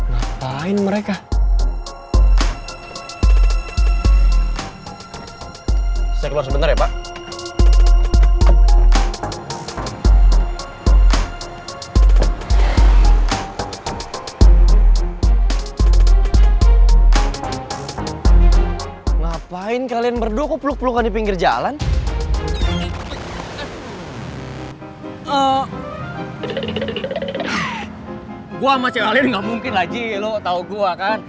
gue sama cik alin gak mungkin lagi lo tau gue kan